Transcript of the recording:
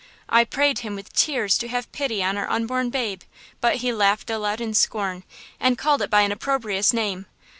I prayed him with tears to have pity on our unborn babe; but he laughed aloud in scorn and called it by an opprobrious name!